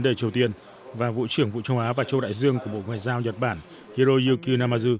đề triều tiên và vụ trưởng vụ châu á và châu đại dương của bộ ngoại giao nhật bản hiroyuku namazu